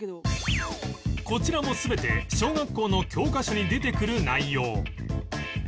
こちらも全て小学校の教科書に出てくる内容